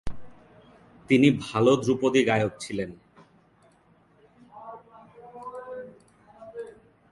তিনি ভাল ধ্রুপদী গায়ক ছিলেন।